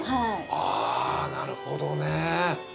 ああなるほどね。